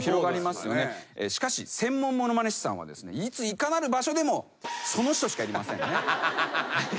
しかし専門ものまね師さんはいついかなる場所でもその人しかやりませんね。